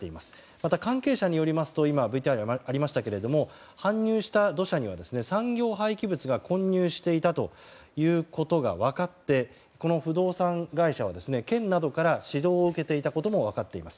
また関係者によりますと今ＶＴＲにもありましたけれども搬入した土砂には産業廃棄物が混入していたということが分かってこの不動産会社は県などから指導を受けていたことも分かっています。